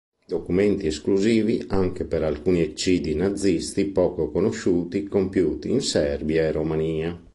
Documenti esclusivi anche per alcuni eccidi nazisti poco conosciuti compiuti in Serbia e Romania.